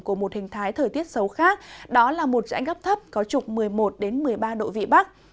của một hình thái thời tiết xấu khác đó là một dãnh áp thấp có trục một mươi một một mươi ba độ vị bắc